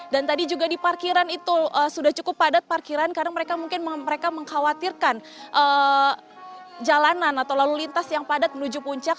dan tadi juga di parkiran itu sudah cukup padat parkiran karena mereka mungkin mengkhawatirkan jalanan atau lalu lintas yang padat menuju puncak